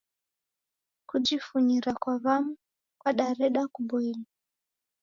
Kujifunyira kwa wam'u kwadareda kuboilwa.